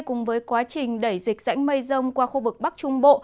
cùng với quá trình đẩy dịch rãnh mây rông qua khu vực bắc trung bộ